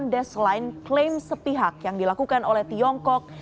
desline klaim sepihak yang dilakukan oleh tiongkok